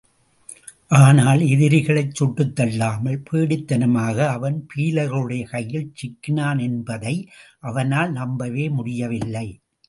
ஆனால், எதிரிகளைச் சுட்டுத் தள்ளாமல், பேடித்தனமாக அவன் பீலர்களுடைய கையில் சிக்கினான் என்பதை அவனால் நம்பவே முடியவில்லை.